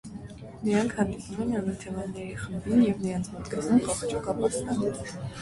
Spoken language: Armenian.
Նրանք հանդիպում են անօթևանների խմբին և նրանց մոտ գտնում խղճուկ ապաստան։